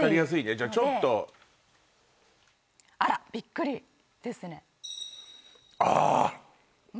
じゃあちょっとあらビックリですね